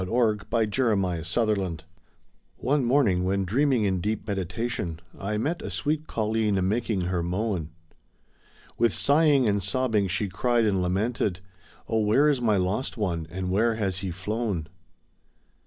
THE SAD YEARS OURSELVES ALONE ONE morning, when dreaming in deep meditation, I met a sweet colleen a making her moan. With sighing and sobbing she cried and lamented: 0h where is my lost one, and where has he flown